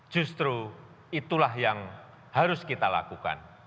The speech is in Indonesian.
justru itulah yang harus kita lakukan